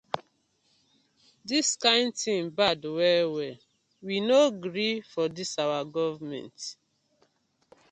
Dis kin tin bad well well, we no gree for dis our gofment.